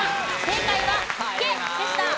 正解は「池」でした。